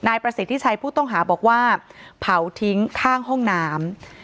ประสิทธิชัยผู้ต้องหาบอกว่าเผาทิ้งข้างห้องน้ำ